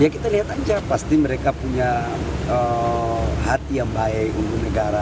ya kita lihat aja pasti mereka punya hati yang baik untuk negara